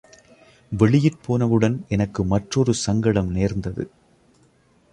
வெளியிற் போனவுடன் எனக்கு மற்றொரு சங்கடம் நேர்ந்தது.